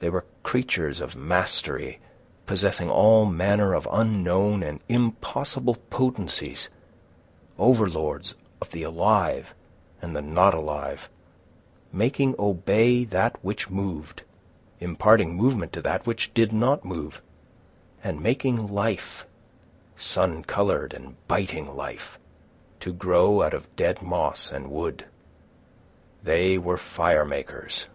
They were creatures of mastery, possessing all manner of unknown and impossible potencies, overlords of the alive and the not alive—making obey that which moved, imparting movement to that which did not move, and making life, sun coloured and biting life, to grow out of dead moss and wood. They were fire makers!